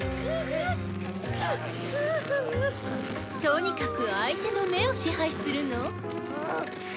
とにかく相手の「目」を支配するの。